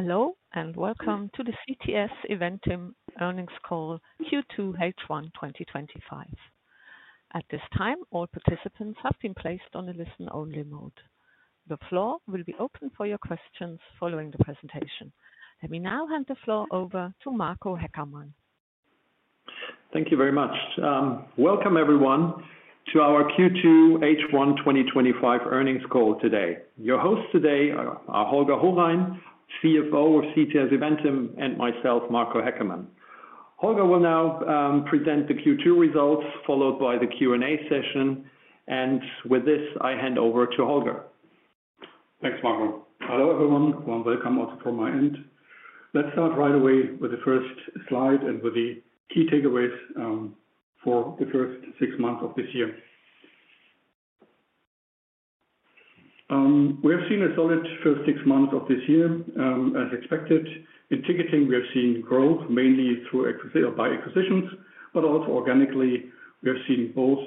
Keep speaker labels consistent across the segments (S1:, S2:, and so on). S1: Hello and welcome to the CTS EVENTIM Earnings Call Q2 H1 2025. At this time, all participants have been placed on a listen-only mode. The floor will be open for your questions following the presentation. Let me now hand the floor over to Marco Haeckermann.
S2: Thank you very much. Welcome everyone to our Q2 H1 2025 Earnings Call today. Your hosts today are Holger Hohrein, CFO of CTS EVENTIM, and myself, Marco Haeckermann. Holger will now present the Q2 results followed by the Q&A session. With this, I hand over to Holger.
S3: Thanks, Marco. Hello everyone. Welcome, also from my end. Let's start right away with the first slide and with the key takeaways. For the first six months of this year, we have seen a solid first six months of this year as expected. In Ticketing, we have seen growth mainly. Through acquisitions, but also organically, we have seen both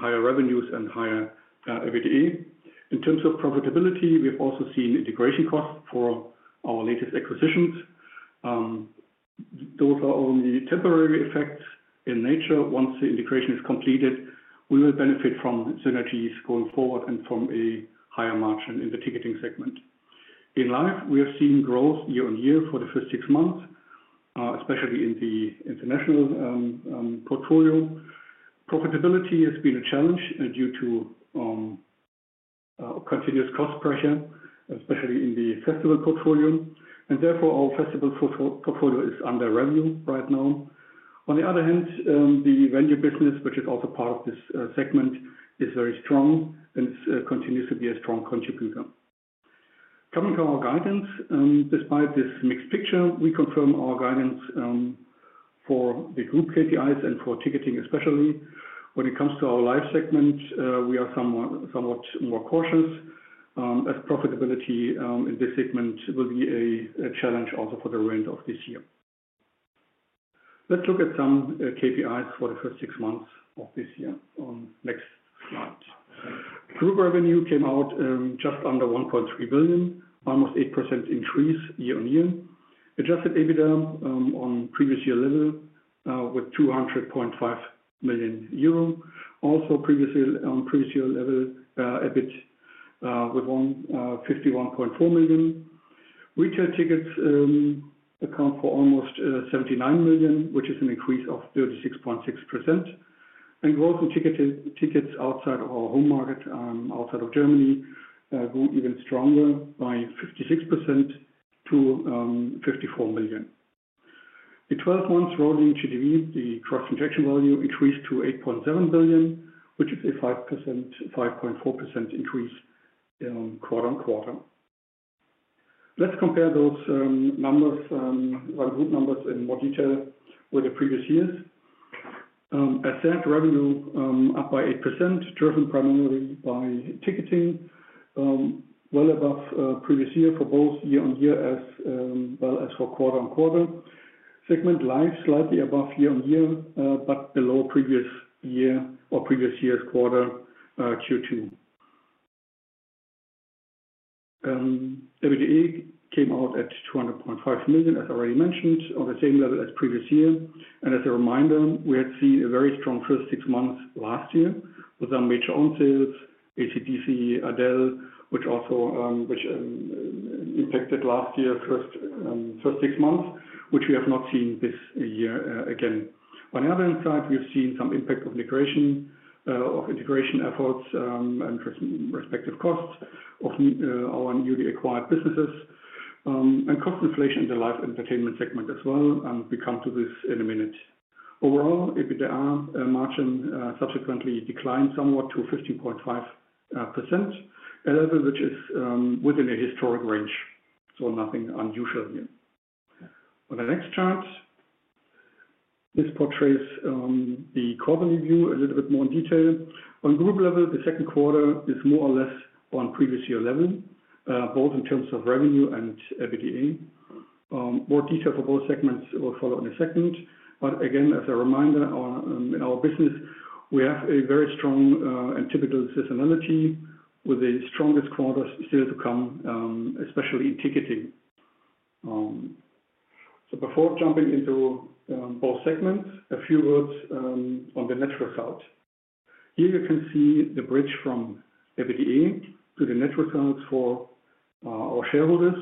S3: higher revenues and higher EBITDA. In terms of profitability, we have also seen integration costs for our latest acquisitions. Those are only temporary effects in nature. Once the integration is completed, we will benefit from synergies going forward and from a higher margin. In the ticketing segment, in live, we have seen growth year-on-year. For the first six months, especially in the international portfolio, profitability has been a challenge due to continuous cost pressure, especially in the festival portfolio. Therefore, our festival portfolio is under revenue right now. On the other hand, the venue business, which is also part of this segment, is very strong and continues to be a strong contributor. Coming to our guidance, despite this mixed picture, we confirm our guidance for the group KPIs and for ticketing. Especially when it comes to our live segment, we are somewhat more cautious as profitability in this segment will be a challenge also for the remainder of this year. Let's look at some KPIs for the first six months of this year. On the next slide, group revenue came out just under 1.3 billion, almost 8% increase year-on-year. Adjusted EBITDA on previous year level with 200.5 million euro. Also previously on previous year level, EBIT with 151.4 million euro. Retail tickets account for almost 79 million, which is an increase of 36.6%. Growth in tickets outside of our home market, outside of Germany, grew even stronger by 56% to 54 million. The 12 months rolling GDV, the gross development value, increased to 8.7 billion, which is a 5.4% increasequarter-on-quarter. Let's compare those group numbers in more detail with the previous year's asset. Revenue up by 8%, driven primarily by ticketing, well above previous year for both year-on-year as well as for quarter-on-quarter. Segment live slightly above year-on-year but below previous year's quarter. Q2 EBITDA came out at 200.5 million, as already mentioned, on the same level as previous year. As a reminder, we had seen a very strong first six months last year with some major on sales, AC/DC,[ALDA], which impacted last year's first six months, which we have not seen this year. On the other hand, we have seen some impact of integration efforts and respective costs of our newly acquired businesses and cost inflation in the live entertainment segment as well, and we come to this in a minute. Overall, EBITDA margin subsequently declined somewhat to 15.5%, a level which is within a historic range. Nothing unusual. On the next chart, this portrays the quarterly view, a little bit more detail on group level. The second quarter is more or less on previous year level, both in terms of revenue and EBITDA. More detail for both segments will follow in a second. Again, as a reminder, in our business we have a very strong and typical seasonality with the strongest quarters still to come, especially in Ticketing. Before jumping into both segments, a few words on the network. Here you can see the bridge from EBITDA to the network for our shareholders,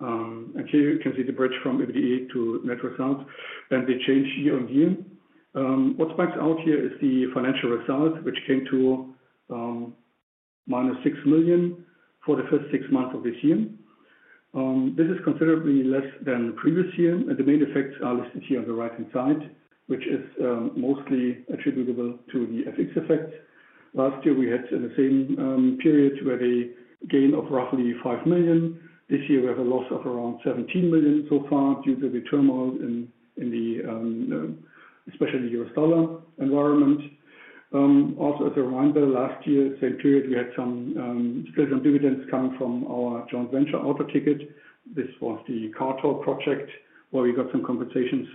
S3: and here you can see the bridge from EBITDA to net result, then the change year-on-year. What spikes out here is the financial results, which came to minus 6 million for the first six months of this year. This is considerably less than the previous year, and the main effects are listed here on the right-hand side, which is mostly attributable to the FX effects. Last year, we had in the same period a gain of roughly 5 million. This year, we have a loss of around 17 million so far due to the turmoil in the especially U.S. dollar environment. Also, as a reminder, last year same period we had some split on dividends coming from our joint venture Auto Ticket. This was the Cartel project where we got some compensations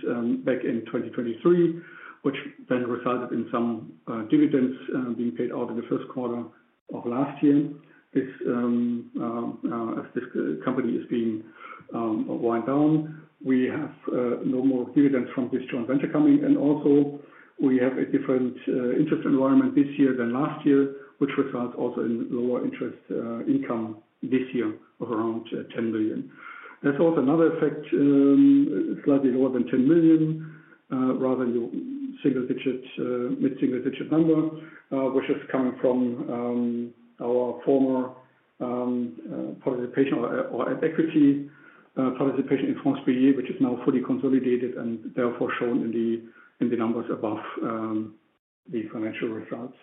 S3: back in 2023, which then resulted in some dividends being paid out in the first quarter of last year. As this company is being wound down, we have no more dividends from this joint venture coming, and also we have a different interest environment this year than last year, which results also in lower interest income this year of around 10 million. That's also another effect, slightly lower than 10 million, rather than the mid-single-digit number which is coming from our former qualification or equity participation in France Billet, which is now fully consolidated and therefore shown in the numbers above the financial results.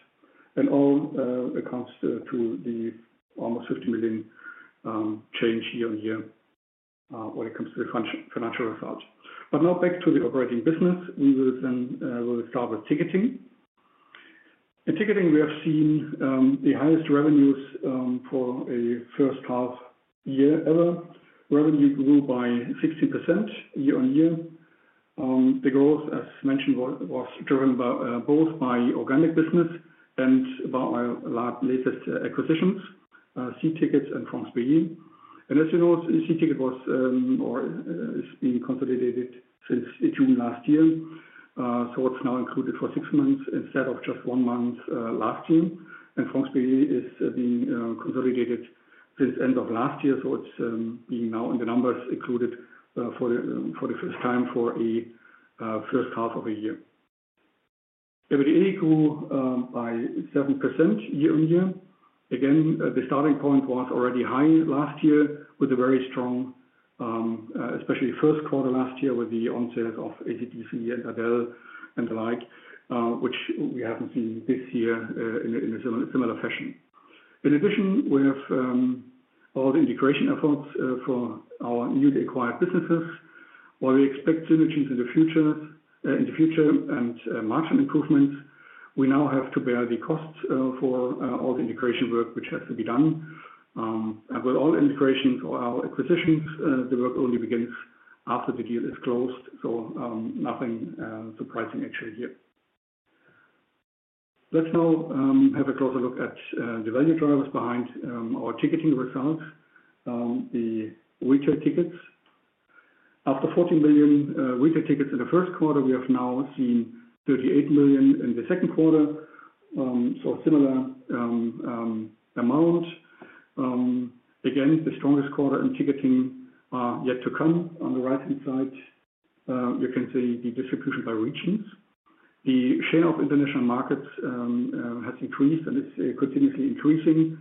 S3: All accounts to the almost 50 million change year-on-year when it comes to the financial results. Now back to the operating business. We will then start with Ticketing. In Ticketing, we have seen the highest revenues for a first half year ever. Revenue grew by 60% year-on-year. The growth, as mentioned, was driven both by organic business and by our latest acquisitions, See Tickets and France Billet. As you know, See Tickets was consolidated since June last year. It's now included for six months instead of just one month last year. France Billet is being consolidated since end of last year. It's seen now in the numbers included for the first time for a first half of a year. EBITDA grew by 7% year-on-year. Again, the starting point was already high last year with a very strong, especially first quarter last year with the on-sales of AC/DC and [ALDA] and the like, which we haven't seen this year in a similar fashion. In addition, we have all the integration efforts for our newly acquired businesses. While we expect synergies in the future and margin improvements, we now have to bear the costs for all the integration work which has to be done with all integrations or our acquisitions. The work only begins after the deal is closed. Nothing surprising actually here. Now, have a closer look at the value drivers behind our ticketing results. The retail tickets. After 14 million retail tickets in the first quarter, we have now seen 38 million in the second quarter. Similar amount again, the strongest quarter in ticketing yet to come. On the right-hand side, you can see the distribution by regions. The share of international markets has increased and it's continuously increasing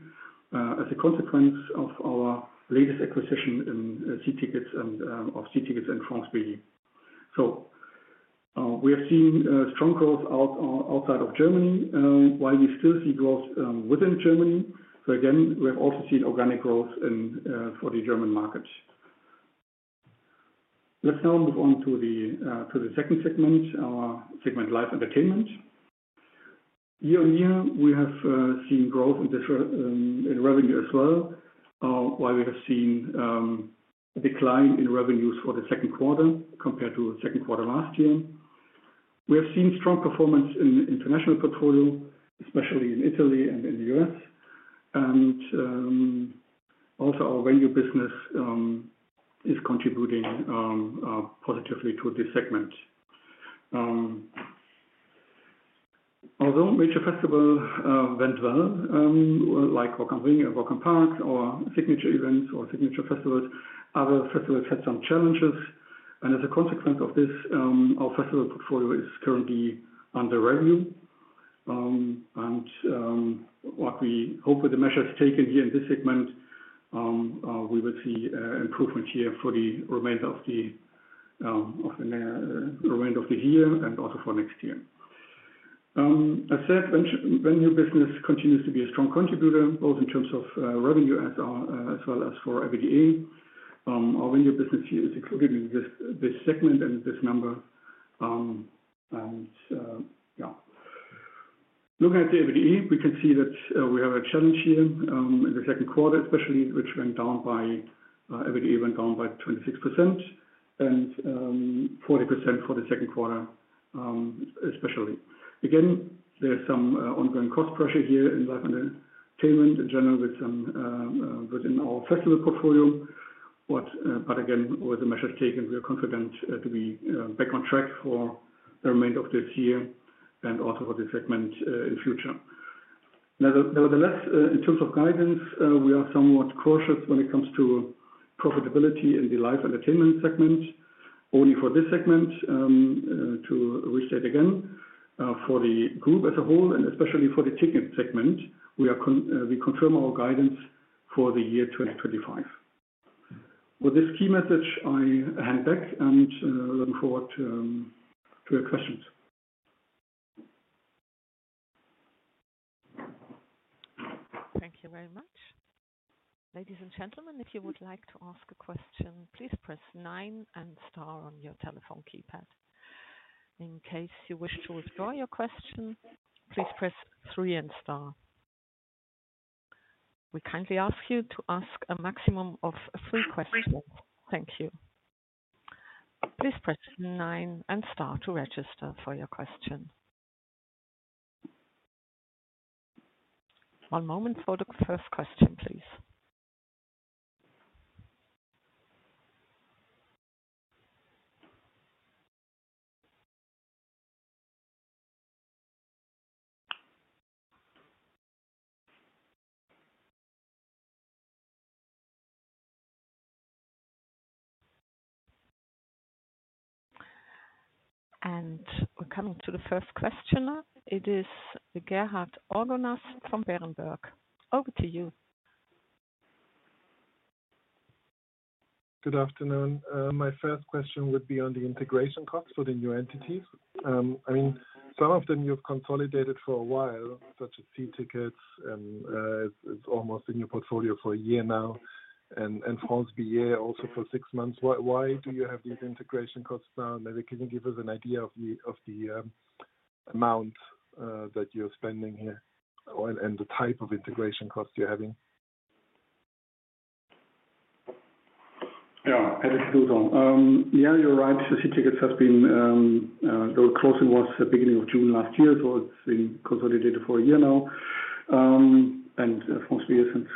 S3: as a consequence of our latest acquisition of See Tickets and France Billet. We have seen strong growth outside of Germany while we still see growth within Germany. Again, we have also seen organic growth for the German market. Let's now move on to the second segment, our segment Live Entertainment. Year on year, we have seen growth in revenue as well. While we have seen a decline in revenues for the second quarter compared to second quarter last year, we have seen strong performance in international portfolio, especially in Italy and in the U.S., and also our venue business is contributing positively to this segment. Although major festivals went well, like [Wing Walker Park] or signature events or signature festivals, other festivals had some challenges and as a consequence of this, our festival portfolio is currently under review. What we hope with the measures taken here in this segment, we will see improvement here for the remainder of the year and also for next year. As said, venue business continues to be a strong contributor both in terms of revenue as well as for EBITDA. Our venue business is excluded in this segment and this number. Looking at the fit, we can see that we have a challenge here in the second quarter especially, which went down by fit, went down by 26% and 40% for the second quarter especially. There is some ongoing cost pressure here in Live Entertainment in general within our fashionable portfolio. Again, always a measure taken. We are confident to be back on track for the remainder of this year and also for the segment in future. Nevertheless, in terms of guidance, we are somewhat cautious when it comes to profitability in the Live Entertainment segment only for this segment to restate. Again, for the group as a whole, and especially for the Ticketing segment, we confirm our guidance for the year 2025. With this key message, I hand back and look forward to your questions.
S1: Thank you very much, ladies and gentlemen. If you would like to ask a question, please press nine and star on your telephone keypad. In case you wish to withdraw your question, please press three and star. We kindly ask you to ask a maximum of three questions. Thank you. Please press nine and star to register for your question. One moment for the first question, please. We are coming to the first questioner. It is Gerhard Orgonas from Berenberg. Over to you.
S4: Good afternoon. My first question would be on the integration costs for the new entities. I mean, some of them you've consolidated for a while, such as See Tickets, and it's almost in your portfolio for a year now, and France Billet, also for six months. Why do you have these integration costs now? Can you give us an idea of the amount that you're spending here and the type of integration cost you're having?
S3: Yeah, yeah, you're right. See Tickets has been. The closing was at the beginning of June last year. It's been consolidated for a year now and France Billet since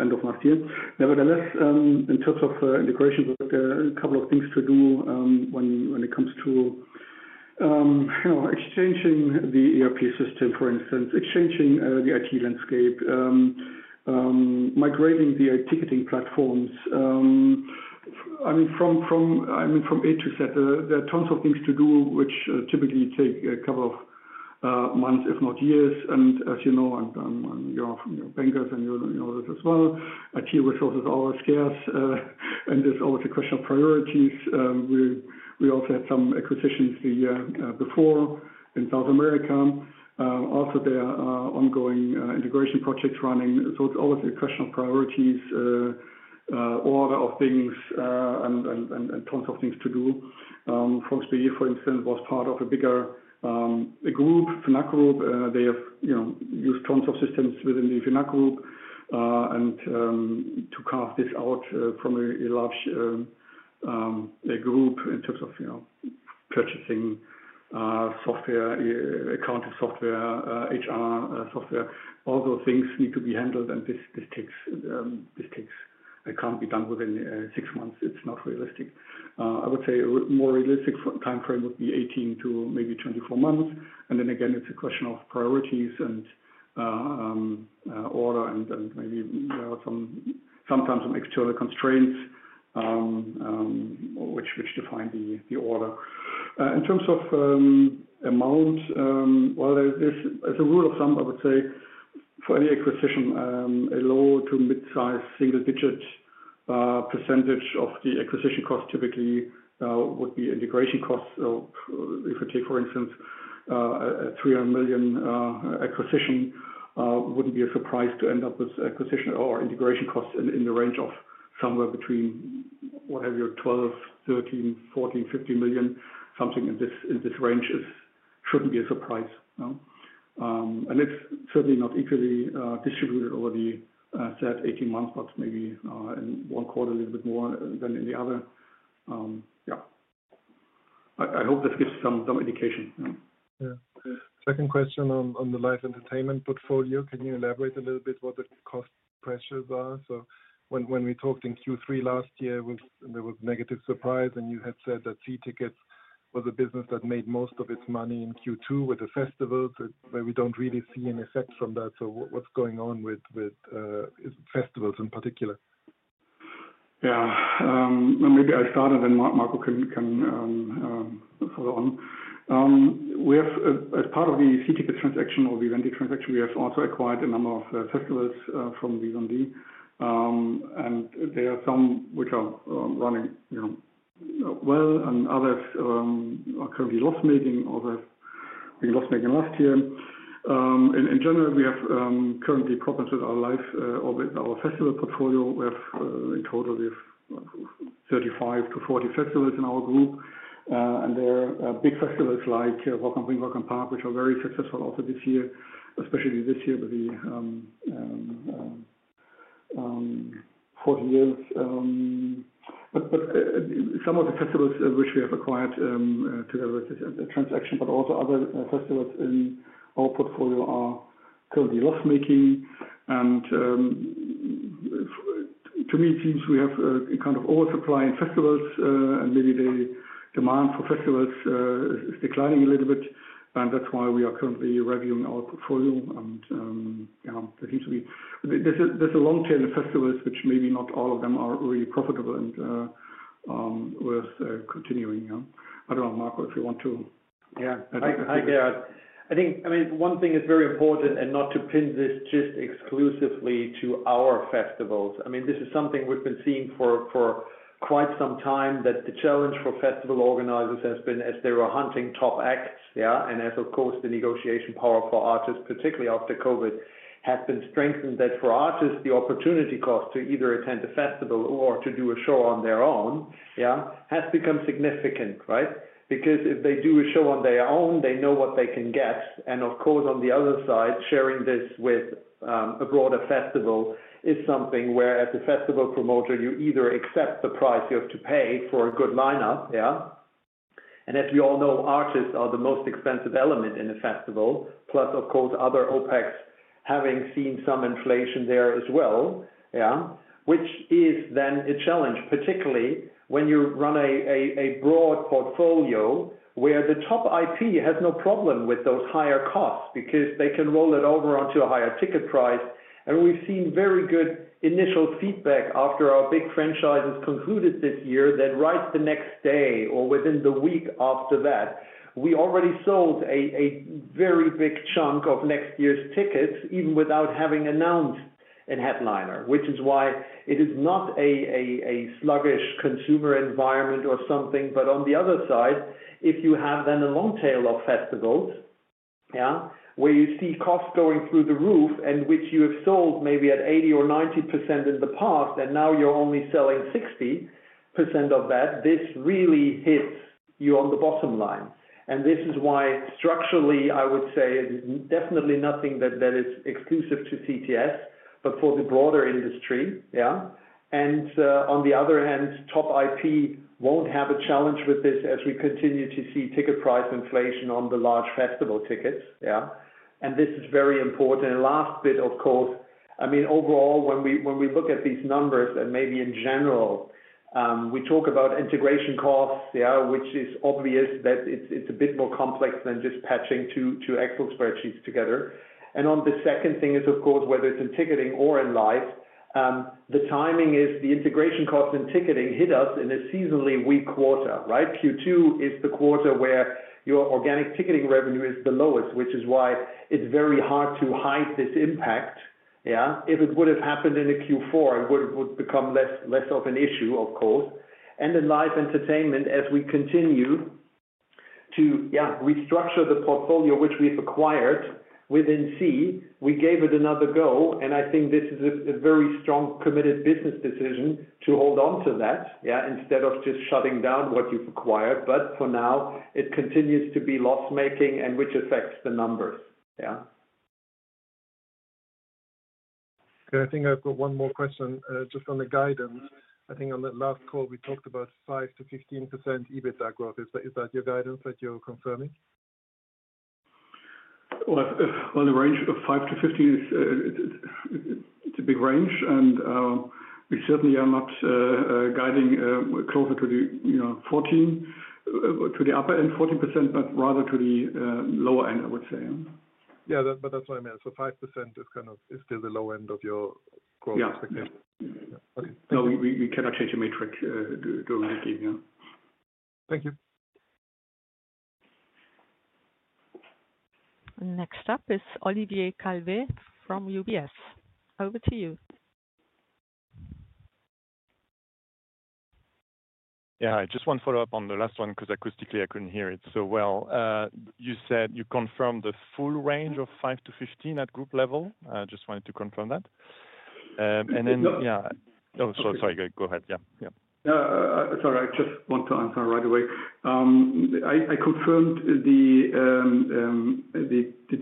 S3: end of last year. Nevertheless, in terms of integration, there are a couple of things to do when it comes to exchanging the ERP system, for instance, exchanging the IT landscape, migrating the ticketing platform. I mean, from A-Z, there are tons of things to do which typically take a couple of months, if not years. As you know, bankers, and you know this as well, IT resources are scarce and there's always a question of priorities. We also had some acquisitions before in South America. Also, there are ongoing integration projects running. It's always a question of priorities, order of things, and tons of things to do. France Billet, for instance, was part of a bigger group, FNAC Group. They have used tons of systems within the FNAC Group. To carve this out from a large group in terms of purchasing software, accounting software, HR software, all those things need to be handled and this takes. It can't be done within six months. It's not realistic. I would say a more realistic time frame would be 18 to maybe 24 months. Again, it's a question of priorities and order and maybe sometimes some external constraints which define the order. In terms of amount, as a rule of thumb, I would say for any acquisition, a low to mid-size single-digit percentage of the acquisition cost typically would be integration costs. If I take, for instance, a 300 million acquisition, it wouldn't be a surprise to end up with acquisition or integration costs in the range of somewhere between, what have you, 12 million, 13 million, 14 million, 15 million. Something in this range shouldn't be a surprise and it's certainly not equally distributed. I already said 18 months, but maybe in one quarter a little bit more than in the other. I hope this gives some indication.
S4: Second question on the Live Entertainment portfolio, can you elaborate a little bit what the cost pressures are? When we talked in Q3 last year there was negative surprise and you had said that See Tickets was a. Business that made most of its money. In Q2 with the festival, but we don't really see an effect from that. What's going on with festivals in particular?
S3: Yeah, maybe I start and then Marco can follow on. As part of the CTS EVENTIM transaction or the Vivendi transaction, we have also acquired a number of festivals from Vivendi and there are some which are running well and others are currently loss making or loss making. Last year in general we have currently problems with our live or with our festival portfolio. In total we have 35-40 festivals in our group and there are big festivals like Wing Walker Park which are very successful. Also this year, especially this year will be 40 years. Some of the festivals which we have acquired together with this transaction, but also other festivals in our portfolio, are currently loss making and to me it seems we have kind of oversupply in festivals and maybe the demand for festivals is declining a little bit. That's why we are currently reviewing our portfolio and there's a long tail of festivals which maybe not all of them are really profitable and worth continuing. I don't know, Marco, if you want to.
S2: Hi, Gerhard. I think one thing is very important and not to pin this just exclusively to our festivals. This is something we've been seeing for quite some time, that the challenge for festival organizers has been as they were hunting top acts and as, of course, the negotiation power for artists, particularly after COVID, has been strengthened. For artists, the opportunity cost to either attend a festival or to do a show on their own has become significant. Right. Because if they do a show on their own, they know what they can get. On the other side, sharing this with a broader festival is something where, as the festival promoter, you either accept the price you have to pay for a good lineup, and as we all know, artists are the most expensive element in a festival. Plus, of course, other OpEx having seen some inflation there as well, which is then a challenge, particularly when you run a broad portfolio where the top IP has no problem with those higher costs because they can roll it over onto a higher ticket price. We've seen very good initial feedback after our big franchises concluded this year that right the next day or within the week after that, we already sold a very big chunk of next year's tickets even without having announced a headliner, which is why it is not a sluggish consumer environment or something. On the other side, if you have a long tail of festivals where you see costs going through the roof and which you have sold maybe at 80% or 90% in the past, and now you're only selling 60% of that, this really hits you on the bottom line. This is why structurally, I would say definitely nothing that is exclusive to CTS, but for the broader industry. On the other hand, top IP won't have a challenge with this as we continue to see ticket price inflation on the large festival tickets. This is a very important last bit. Of course, overall, when we look at these numbers and maybe in general we talk about integration costs, which is obvious that it's a bit more complex than just patching two Excel spreadsheets together. The second thing is, of course, whether it's in ticketing or in live, the timing is the integration costs and ticketing hit us in a seasonally weak quarter. Q2 is the quarter where your organic ticketing revenue is the lowest, which is why it's very hard to hide this impact. If it would have happened in a Q4, it would become less of an issue. Of course. In Live Entertainment, as we continue to restructure the portfolio which we've acquired within See Tickets, we gave it another go. I think this is a very strong, committed business decision to hold on to that instead of just shutting down what you've acquired. For now, it continues to be loss making, which affects the numbers.
S4: Yeah, I think I've got one more question just on the guidance. I think on the last call we talked about 5%-15% EBITDA growth. Is that your guidance that you're confirming?
S3: On the range of 5%-15% is a big range, and we certainly are not guiding closer to the 14%, to the upper end, but rather to the lower end, I would say.
S4: Yeah, that's what I meant. 5% is still the low end of your growth expectation.
S3: No, we cannot change a metric.
S4: Thank you.
S1: Next up is Olivier Calvet from UBS. Over to you.
S5: Yeah, I just want to follow up on the last one because acoustically I. Couldn't hear it so well. You said you confirmed the full range of 5-15 at group level. I just wanted to confirm that. Yeah, sorry, go ahead. Yeah,
S3: sorry, I just want to answer right away. I confirm the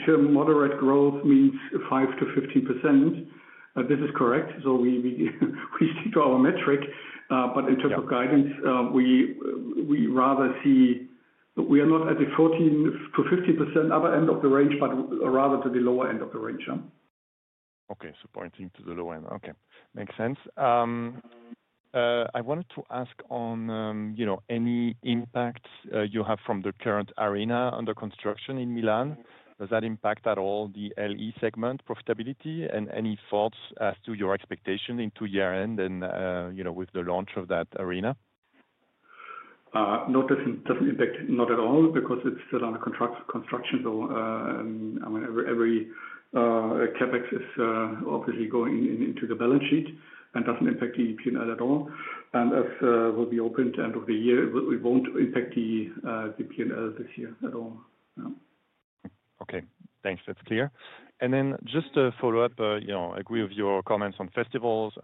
S3: term moderate growth means 5%-15%. This is correct. We stick to our metric, but in terms of guidance, we rather see we are not at the 14%-15% other end of the range, but rather to the lower end of the range.
S5: Okay, pointing to the low end. Okay, makes sense. I wanted to ask on any impact you have from the current arena under construction in Milan. Does that impact at all the Live Entertainment segment profitability, and any thoughts as to your expectation into year end with the launch of that arena?
S3: No, doesn't impact, not at all. Because it's still under contract construction. I mean every CapEx is obviously going into the balance sheet and doesn't impact the P&L at all. AS will be opened end of the year, we won't affect the P&L this year at all.
S5: Okay, thanks, that's clear. Just to follow up, I agree with your comments on festivals.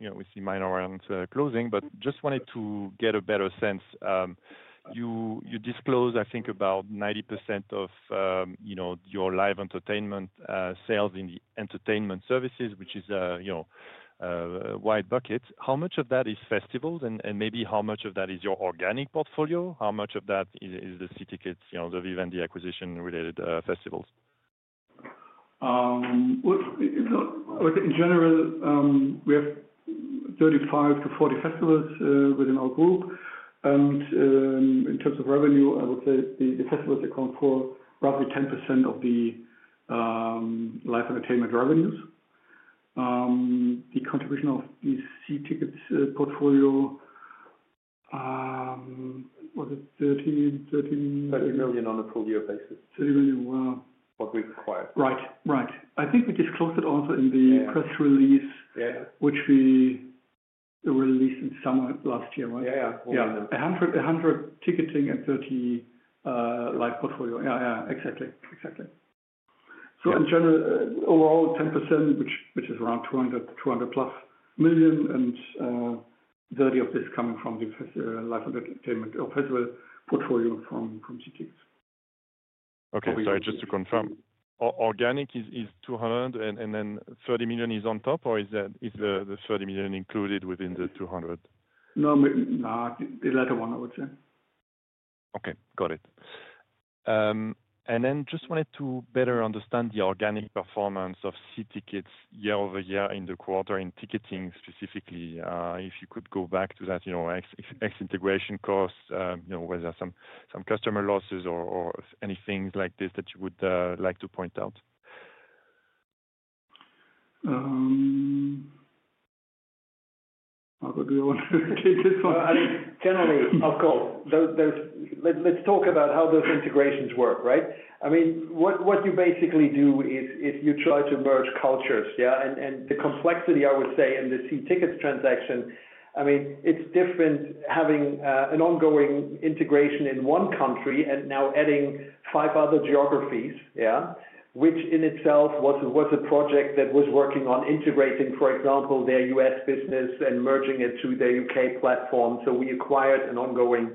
S5: We see mine aren't closing, but I just wanted to get a better sense. You disclose, I think, about 90% of your Live Entertainment sales in the entertainment services, which is wide buckets. How much of that is festivals, and maybe how much of that is your organic portfolio? How much of that is the See Tickets, the Eventim, the acquisition-related festivals?
S3: In general, we have 35-40 festivals within our group and in terms of revenue, I would say the festivals account for roughly 10% of the Live Entertainment revenues. The contribution of the See Tickets portfolio, was it 13 million, 13 million.
S2: 30 million on a full year basis.
S3: 30 million.
S2: what we acquired.
S3: Right, right. I think we disclosed it also in the press release which we released in summer last year. Yeah, 100 million ticketing and 30 million live portfolio.
S2: Yeah, yeah, exactly, exactly.
S3: In general, overall 10%, which is around 200 million plus and 30 million of this coming from the live portfolio from GTX.
S5: Okay, just to confirm, organic is 200 million and then 30 million is on top, or is that, is the 30 million included within the 200 million?
S3: No, the latter one, I would say.
S5: Okay, got it. I just wanted to better understand the organic performance of See Tickets year-over-year in the quarter in Ticketing specifically. If you could go back to that, you know, excluding integration costs, was there some customer losses or anything like this that you would like to point out?
S3: Marco, do you want to?
S2: Generally? Of course. Let's talk about how those integrations work. I mean, what you basically do. Is if you try to merge cultures. Yeah. The complexity, I would say, in the See Tickets transaction, I mean, it's different having an ongoing integration in one country and now adding five other geographies. Which in itself was a project that was working on integrating, for example, their U.S. business and merging it to their U.K. platform. We acquired an ongoing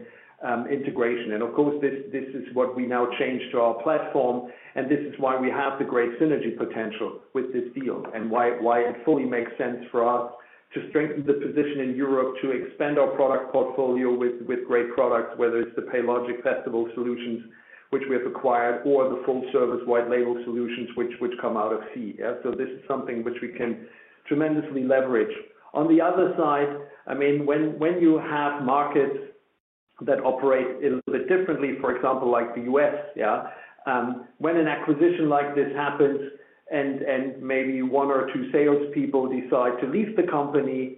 S2: integration and of course this is what we now change to our platform. This is why we have the great synergy potential with this deal and why it fully makes sense for us to strengthen the position in Europe, to expand our product portfolio with great products, whether it's the Paylogic festival solutions which we have acquired, or the full service white label solutions which come out of See. This is something which we can tremendously leverage on the other side. I mean, when you have markets that operate a little bit differently, for example, like the U.S., when an acquisition like this happens and maybe one or two salespeople decide to leave the company,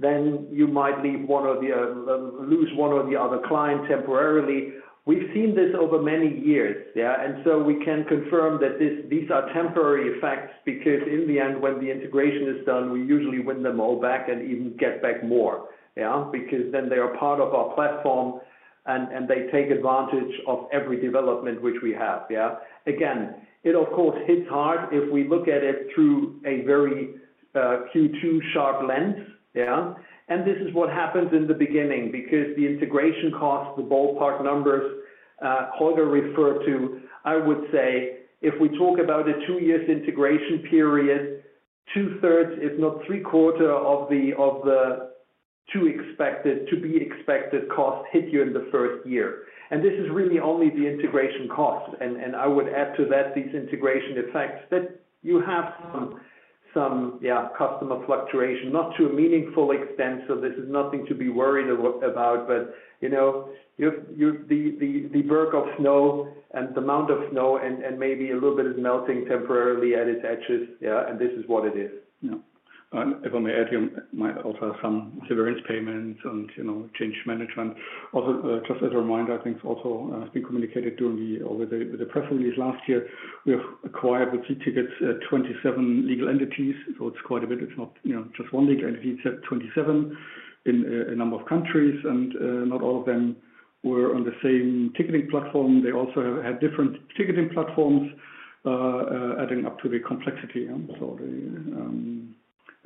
S2: then you might lose one or the other client temporarily. We've seen this over many years and we can confirm that these are temporary effects because in the end, when the integration is done, we usually win them all back and even get back more because then they are part of our platform and they take advantage of every development which we have. It of course hits hard if we look at it through a very Q2 sharp lens. This is what happens in the beginning because the integration costs, the ballpark numbers Holger referred to. I would say if we talk about a two-year integration period, 2/3 if not 3/4 of the two expected to be expected cost hit you in the first year. This is really only the integration cost. I would add to that these integration effects that you have some customer fluctuation, not to a meaningful extent. This is nothing to be worried about. The bulk of snow and the mound of snow and maybe a little bit of melting temporarily at its edges and this is what it is.
S3: If I may add, you might also have some severance payments and, you know, change management. Also, just as a reminder, I think, also as has been communicated over the press release last year, we have acquired with France Billet 27 legal entities. It's quite a bit. It's not, you know, just one link. Entities have 27 in a number of countries, and not all of them were on the same ticketing platform. They also have had different ticketing platforms, adding up to the complexity.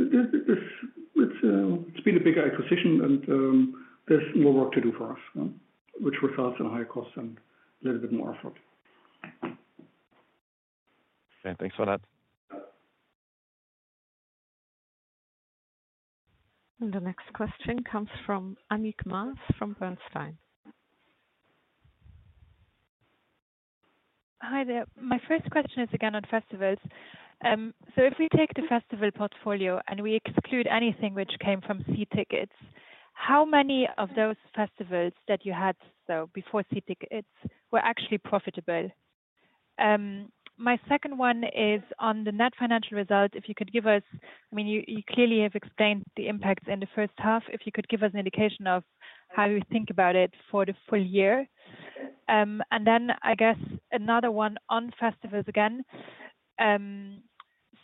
S3: This has been a bigger acquisition, and there's more work to do for us, which results in higher costs and a little bit more effort.
S5: Thanks for that.
S1: The next question comes from Annick Maas from Bernstein.
S6: Hi there. My first question is again on festivals. If we take the festival portfolio and we exclude anything which came from See Tickets, how many of those festivals that you had before See Tickets were actually profitable? My second one is on the net financial result. If you could give us, I mean you clearly have explained the impacts in the first half, if you could give us an indication of how you think about it for the full year. I guess another one on festivals again.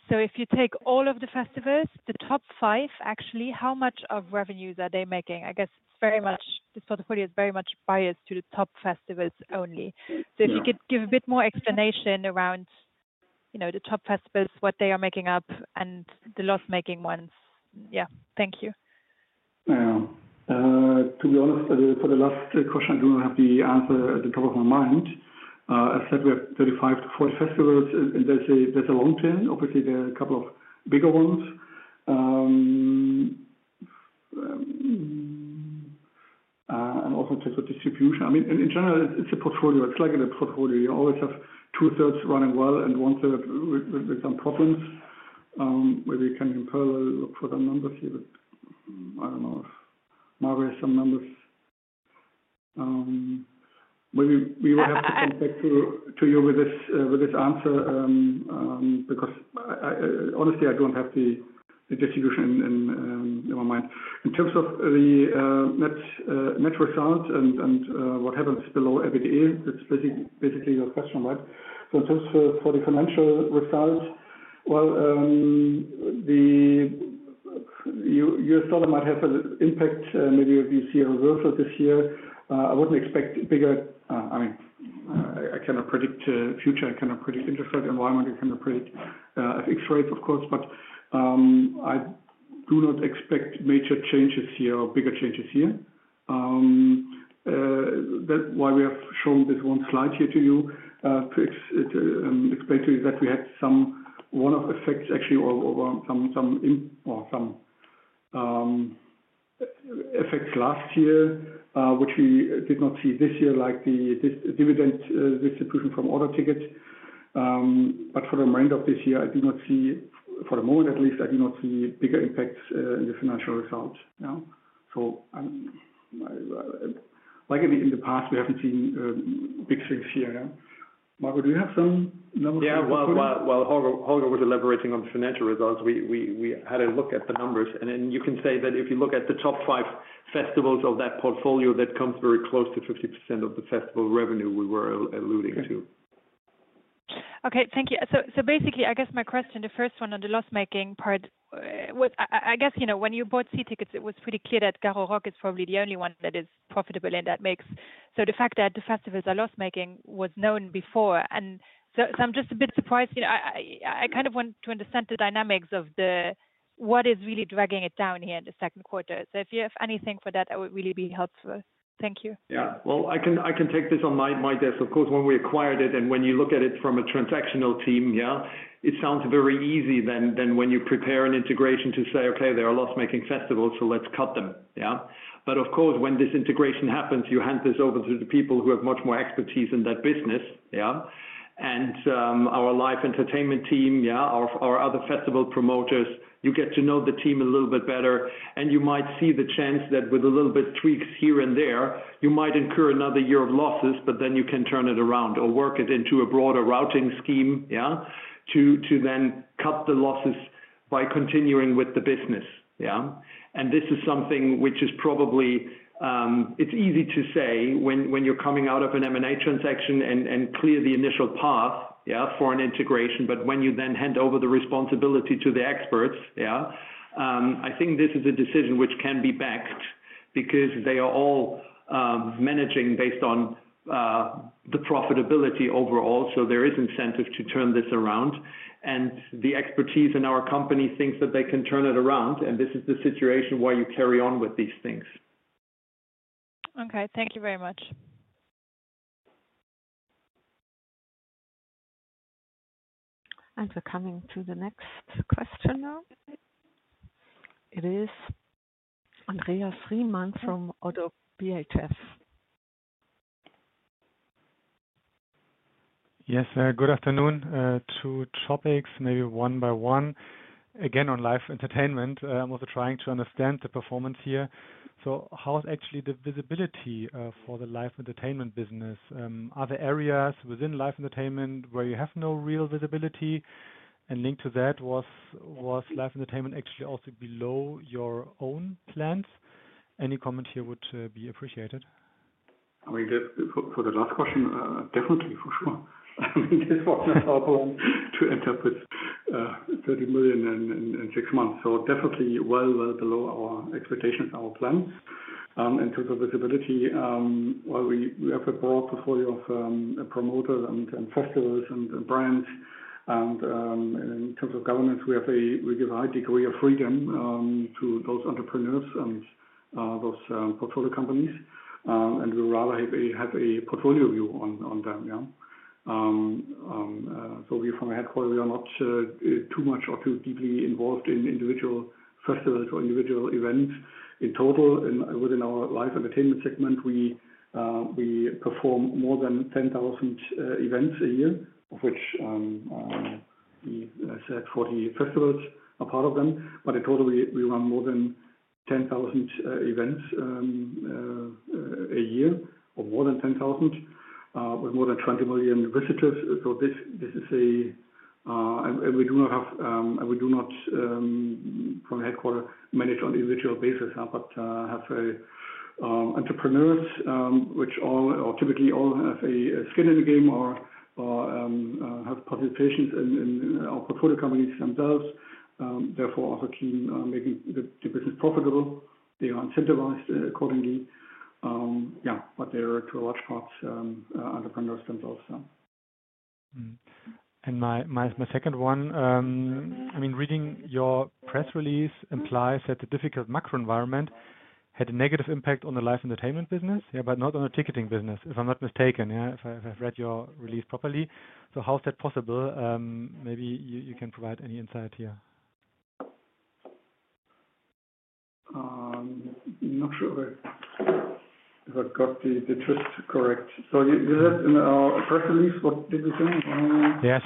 S6: If you take all of the festivals, the top five actually, how much of revenues are they making? I guess this portfolio is very much biased to the top festivals only. If you could give a bit more explanation around the top festivals, what they are making up and the loss making ones. Yeah, thank you.
S3: To be honest, for the last question, I do not have the answer at the top of my mind. I said we have 35-40 festivals and there's a long term. Obviously, there are a couple of bigger ones and also just for distribution. I mean, in general, it's a portfolio. It's like in a portfolio you always have 2/3 running well and 1/3 with some problems. Maybe you can in parallel look for the numbers here, but I don't know, Marco has some numbers. Maybe we will have to come back to you with this answer because honestly I don't have the distribution in my mind in terms of the net result and what happens below EBITDA. That's basically your question, right? For instance, for the financial results, the U.S. dollar might have an impact. Maybe if you see a reversal this year, I wouldn't expect bigger. I mean, I cannot predict future, I cannot predict interest rate environment. You cannot predict FX rates, of course, but I do not expect major changes here or bigger changes here. That's why we have shown this one slide here to you, to explain to you that we had some one-off effect actually or some effects last year which we did not see this year, like the dividend disapproval from Teleticket. For the remainder of this year, I do not see, for the moment at least, I do not see bigger impacts in the financial result. Like in the past, we haven't seen big things here. Marco, do you have some levels?
S2: Yeah. While Holger was elaborating on financial results, we had a look at the numbers, and you can say that if you look at the top five festivals of that portfolio, that comes very close to 50% of the festival revenue we were alluding to.
S6: Okay, thank you. Basically, I guess my question, the first one on the loss making part, I guess, you know, when you bought See Tickets, it was pretty clear that [Garo Rock] is probably the only one that is profitable in that mix. The fact that the festivals are loss making was known before, and I'm just a bit surprised. I kind of want to understand the dynamics of what is really dragging it down here in the second quarter. If you have anything for that, that would really be helpful. Thank you.
S2: Yeah, I can take this on my desk, of course. When we acquired it and when you look at it from a transactional team, it sounds very easy than when you prepare an integration to say, okay, there are loss making festivals, so let's cut them. Of course, when this integration happens, you hand this over to the people who have much more expertise in that business and our Live Entertainment team, our other festival promoters, you get to know the team a little bit better and you might see the chance that with a little bit tweaks here and there, you might incur another year of losses. Then you can turn it around or work it into a broader routing scheme to cut the losses by continuing with the business. This is something which is probably easy to say when you're coming out of an M&A transaction and clear the initial path for an integration. When you then hand over the responsibility to the experts, I think this is a decision which can be backed because they are all managing based on the profitability overall. There is incentive to turn this around. The expertise in our company thinks that they can turn it around. This is the situation where you carry on with these things.
S6: Okay, thank you very much.
S1: Coming to the next question, now it is Andreas Riemann from ODDO BHF.
S7: Yes, good afternoon. Two topics, maybe one by one again, on Live Entertainment. Also trying to understand the performance here. How's actually the visibility for the Live Entertainment business? Are there areas within Live Entertainment where you have no real visibility, and, linked to that, was Live Entertainment actually also below your own plans? Any comment here would be appreciated
S3: for the last question. Definitely for sure to interpret 30 million in six months. Definitely well below our expectations, our plans in terms of visibility. While we have a broad portfolio of promoters and festivals and brands, and in terms of governance, we give a high degree of freedom to those entrepreneurs and those portfolio companies, and we rather have a portfolio view on them. From headquarters, we are not too much or too deeply involved in individual festivals or individual events. In total, within our Live Entertainment segment, we perform more than 10,000 events a year, of which, as he said, 40 festivals are part of them. In total, we run more than 10,000 events a year with more than 20 million visitors. We do not from headquarters manage on an individual basis, but have entrepreneurs, which typically all have a skin in the game or have participations in our portfolio companies themselves. Therefore, also keen on making the business profitable. They are incentivized accordingly. They are a lot of entrepreneurs themselves.
S7: My second one, I mean reading your press release implies that the difficult macro environment had a negative impact on the Live Entertainment business, but not on the Ticketing business, if I'm not mistaken, if I've read your release properly. How's that possible? Maybe you can provide any insight here.
S3: Not sure if I got the trips correct. First to leave. What did you think?
S7: Yeah,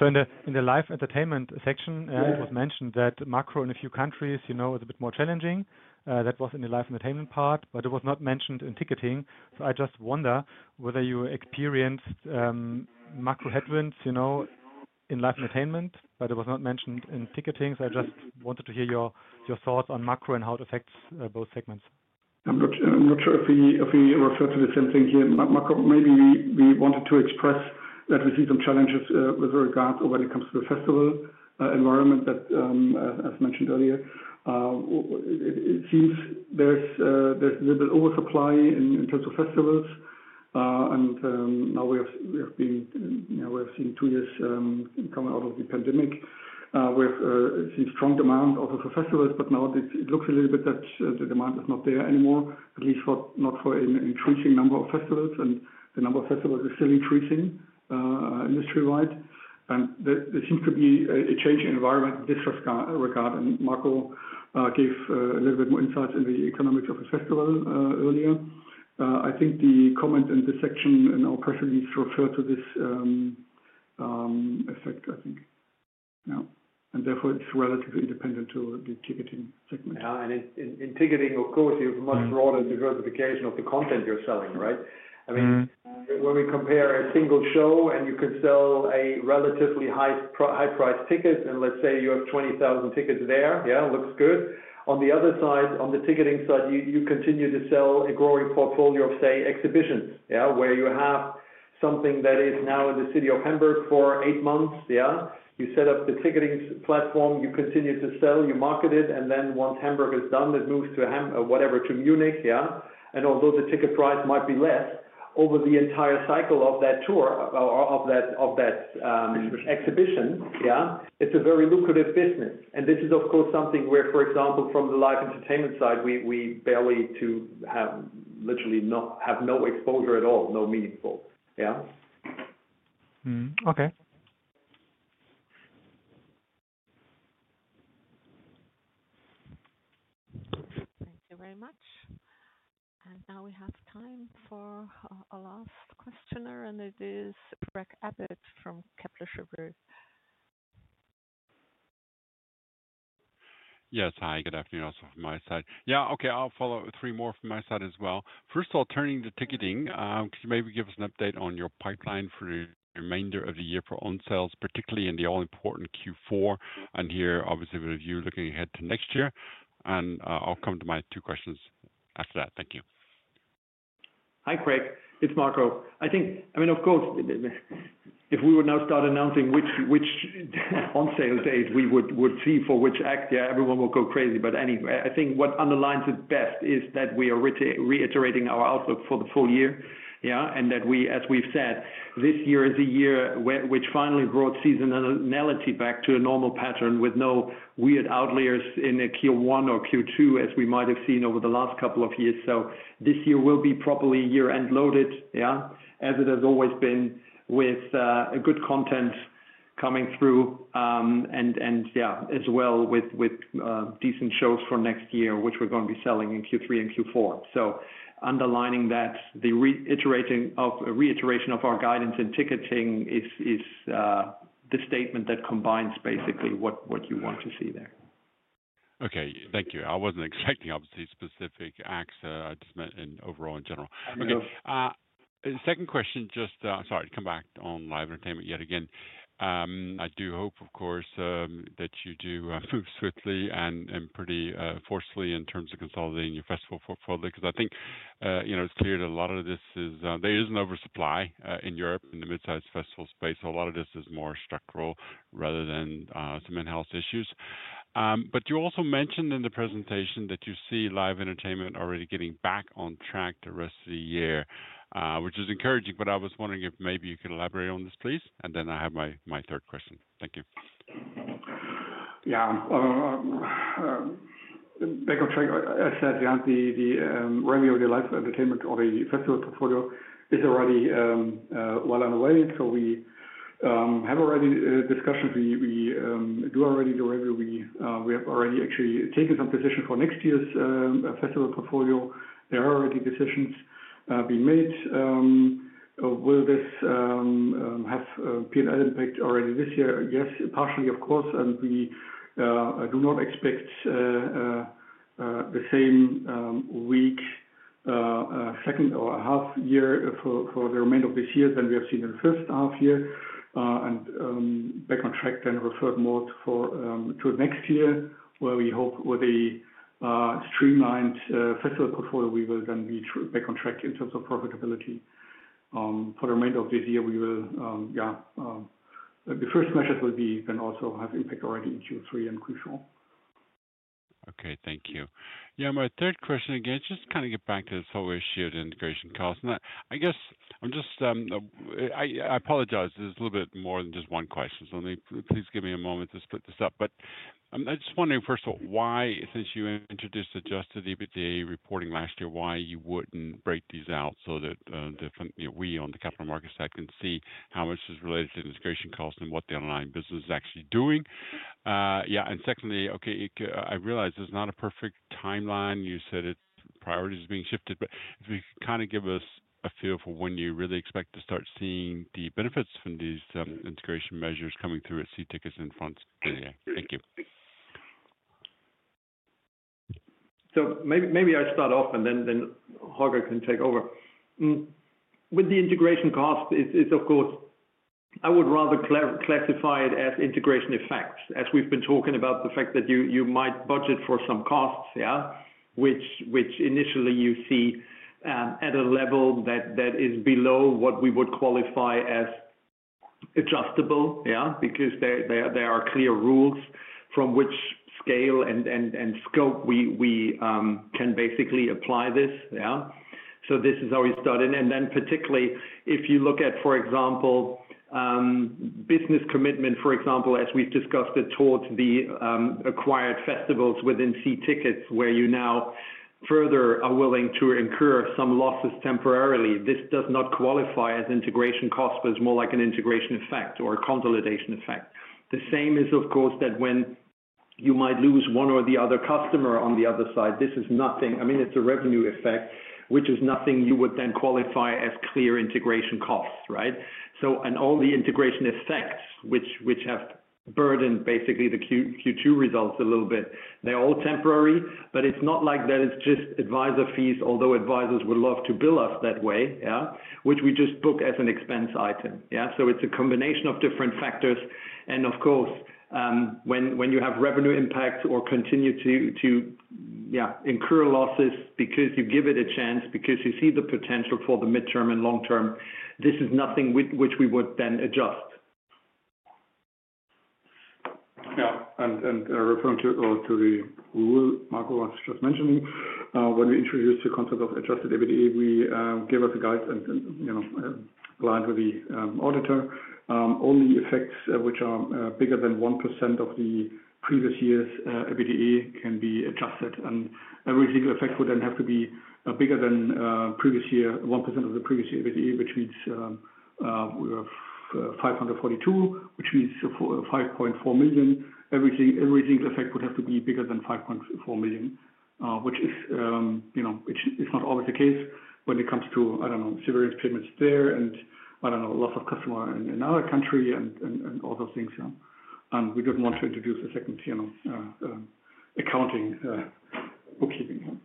S7: in the Live Entertainment section it was mentioned that macro in a few countries is a bit more challenging. That was in the Live Entertainment part, but it was not mentioned in Ticketing. I just wonder whether you experienced macro headwinds in Live Entertainment, but it was not mentioned in Ticketing. I just wanted to hear your. Your thoughts on macro and how it affects both segments.
S3: I'm not sure if we refer to the same thing here, Marco. Maybe we wanted to express that we see some challenges with regards or when it comes to the festival environment. As mentioned earlier, it seems there's a little bit of oversupply in terms of festivals. We have seen two years coming out of the pandemic. We've seen strong demand also for festivals. Nowadays it looks a little bit that the demand is not there anymore, at least not for an increasing number of festivals. The number of festivals is still increasing industry wide and there seems to be a change in environment in this regard. Marco gave a little bit more insights in the economics of the festival earlier. I think the comment in this section in our press release refers to this effect, and therefore it's relatively independent to the ticketing segment.
S2: In Ticketing, of course, you have a much broader diversification of the content you're selling. Right. I mean, when we compare a single show and you could sell a relatively high price ticket and let's say you have 20,000 tickets there, yeah, looks good. On the other side, on the ticketing side, you continue to sell a glory portfolio of, say, exhibition where you have something that is now in the city of Hamburg for eight months. You set up the ticketing platform, you continue to sell, you market it, and then once Hamburg is done, it moves to, whatever, to Munich. Yeah. Although the ticket price might be less, over the entire cycle of that tour, of that exhibition, yeah, it's a very lucrative business. This is, of course, something where, for example, from the live entertainment side, we barely have, literally, no exposure at all. No meaningful. Yeah,
S7: okay.
S1: Thank you very much. Now we have time for our last questioner and it is [Craig Abbott] from Kepler Cheuvreux.
S8: Yes. Hi, good afternoon. Also from my side. Yeah. Okay, I'll follow three more from my side as well. First of all, turning to Ticketing, could you maybe give us an update on your pipeline for the remainder of the year for on sales, particularly in the all-important Q4, and here obviously with you looking ahead to next year. I'll come to my two questions after that. Thank you.
S2: Hi Craig, it's Marco. I think, I mean of course if we would now start announcing which on sale date we would see for which act, everyone will go crazy. Anyway, I think what underlines it best is that we are reiterating our outlook for the full year. Yeah, and that we, as we've said, this year is a year which finally brought seasonality back to a normal pattern with no weird outliers in a Q1 or Q2 as we might have seen over. The last couple of years. This year will be properly year end loaded, as it has always with good content coming through and as well with decent shows for next year which we're going to be selling in Q3 and Q4. Underlining that, the reiteration of our guidance and ticketing is the statement that combines basically what you want to see there.
S8: Okay, thank you. I wasn't expecting, obviously, specific axa. I just meant overall, in general. Second question. Sorry to come back on Live Entertainment yet again. I do hope of course that you do swiftly and pretty forcefully in terms of consolidating your festival portfolio because I think it's clear that a lot of this is there is an oversupply in Europe in the mid-sized festival space. A lot of this is more structural rather than some in-house issues. You also mentioned in the presentation that you see Live Entertainment already getting back on track the rest of the year, which is encouraging. I was wondering if maybe you could elaborate on this, please. Then I have my third question. Thank you.
S3: Yeah, back on track. As said, the revenue of the Live Entertainment or the flexible portfolio is already well underway. We have already discussions, we do already the review. We have already actually taken some position for next year's festival portfolio. There are already decisions be made. Will this have P&L impact already this year? Yes, partially, of course. We do not expect the same week, second or half year for the remainder of this year than we have seen in the first half year. Back on track then referred more to next year where we hope with a streamlined festival portfolio, we will then be back on track in terms of profitability for the remainder of this year. The first measures will be then also have impact already in Q3 and Q4.
S8: Okay, thank you. Yeah, my third question again, just kind of. Get back to this whole issue of the integration costs. I'm just. I apologize. There's a little bit more than just one question. Please give me a moment to split this up. I'm just wondering, first of all, why since you introduced adjusted EBITDA reporting last year, you wouldn't break these out so that we on the capital markets side can see how much is related to integration costs and what the underlying business is actually doing. Yeah. Okay, I realize it's not a perfect timeline. You said it. Priorities being shifted. If you kind of give us a feel for when you really expect to start seeing the benefits from these integration measures coming through at See Tickets and France Billet. Thank you.
S2: Maybe I start off and then Holger can take over with the integration cost. I would rather classify it as integration effects, as we've been talking about the fact that you might budget for some costs which initially you see at a level that is below what we would qualify as adjustable because there are clear rules from which scale and scope we can basically apply this. This is how we started. Particularly if you look at, for example, business commitment, as we've discussed it, towards the acquired festivals within See Tickets, where you now further are willing to incur some losses temporarily, this does not qualify as integration costs, but it's more like an integration effect or a consolidation effect. The same is, of course, that when you might lose one or the other customer on the other side, this is nothing. I mean, it's a revenue effect which is nothing. You would then qualify as clear integration costs. All the integration effects which have burdened basically the Q2 results a little bit, they're all temporary. It's not like that. It's just advisor fees. Although advisors would love to bill us that way, which we just book as an expense item. It's a combination of different factors. Of course, when you have revenue impacts or continue to incur losses because you give it a chance, because you see the potential for the midterm and long term, this is nothing which we would then adjust.
S3: Yeah. Referring to the rule Marco was just mentioning, when we introduced the concept of adjusted EBITDA, we gave us a guide and, you know, aligned with the auditor. Only effects which are bigger than 1% of the previous year's EBITDA can be adjusted. Every single effect would then have to be bigger than 1% of the previous year, which means we have 542, which means 5.4 million. Every effect would have to be bigger than 5.4 million, which is, you know, it's not always the case when it comes to, I don't know, severance payments there and, I don't know, lots of customer in our country and all those things. We don't want to introduce a second tier accounting bookkeeping.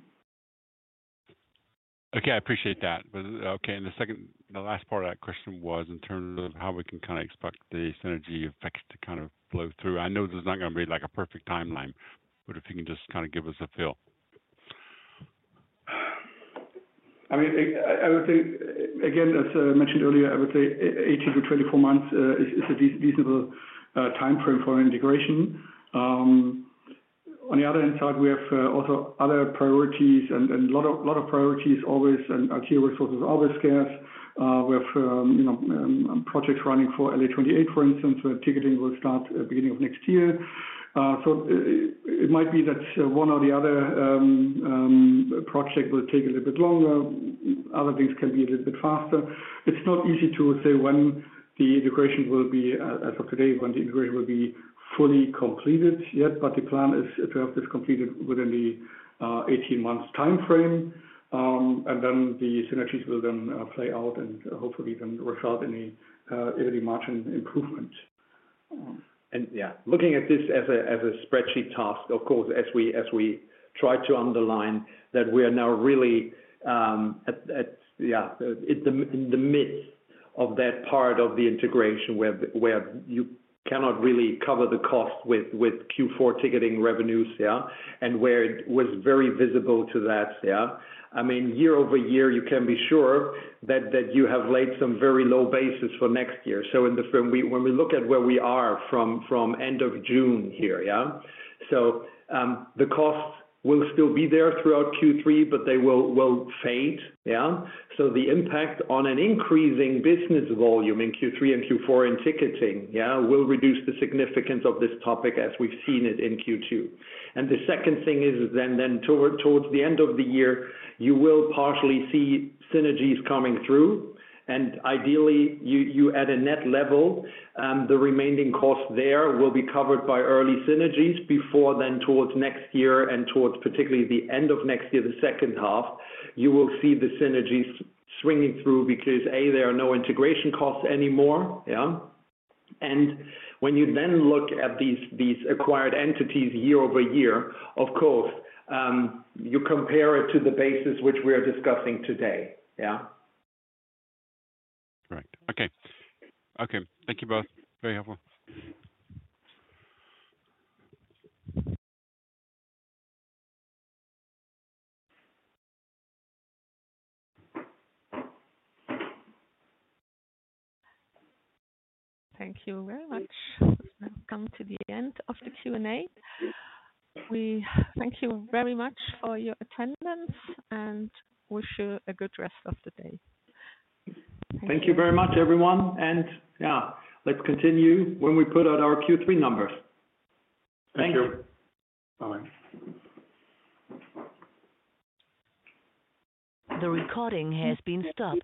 S8: Okay, I appreciate that. The last part of that question was in terms of how we can kind of expect the synergy effects to kind of flow through. I know there's not going to be like a perfect timeline, but if you can just kind of give us a feel.
S3: I mean, I would think again, as I mentioned earlier, I would say 18-24 months is a reasonable time frame for integration. On the other hand, we have also other priorities and a lot of priorities always. Our resources are always scarce. We have projects running for LA28, for instance, where ticketing will start beginning of next year. It might be that one or the other project will take a little bit longer, other things can be a little bit faster. It's not easy to say when the integration will be as of today, when the integration will be fully completed yet. The plan is to have this completed within the 18 months time frame and then the synergies will then play out and hopefully then result in the equity margin improvement.
S2: Yeah, looking at this as a spreadsheet task, of course, as we try to underline that we are now really in the midst of that part of the integration where you cannot really cover the cost with Q4 ticketing revenues and where it was very visible to that. I mean year-over-year you can be sure that you have laid some very low basis for next year. When we look at where we are from end of June here, the costs will still be there throughout Q3, but they will fade. The impact on an increasing business volume in Q3 and Q4 in ticketing will reduce the significance of this topic as we've seen it in Q2. The second thing is then towards the end of the year you will partially see synergies coming through and ideally you add a net level. The remaining costs there will be covered by early synergies before then towards next year and towards particularly the end of next year, the second half you will see the synergies swinging through because, A, there are no integration costs anymore. When you then look at these acquired entities year-over-year, of course you compare it to the basis which we are discussing today. Yeah,
S8: right. Okay. Okay, thank you both.
S1: Thank you very much. We come to the end of the Q&A. We thank you very much for your attendance and wish you a good rest of the day.
S2: Thank you very much everyone, and let's continue when we put out our Q3 numbers.
S3: Thank you, bye.
S1: The recording has been stopped.